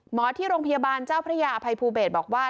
หมอที่โรงพยาบาลเจ้าพระยาอภัยภูเบศบอกว่า